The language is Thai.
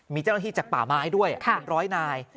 มีเจ้าหน้าที่จากป่าไม้ด้วยเป็นร้อยนาย